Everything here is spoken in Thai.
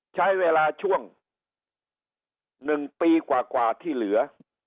ใช้เวลาช่วง๑ปีกว่าที่เหลือ